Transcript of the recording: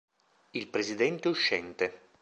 Il presidente uscente.